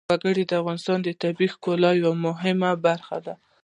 وګړي د افغانستان د طبیعت د ښکلا یوه مهمه برخه ده.